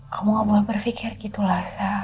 kamu gak boleh berpikir gitu lah